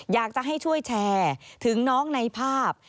อยากจะให้ช่วยแชร์ถึงน้องในภาพ